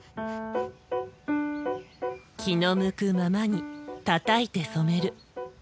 気の向くままにたたいて染める。